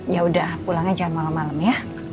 ya udah pulang aja malam malam ya